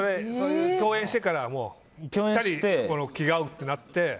共演してから気が合うってなって？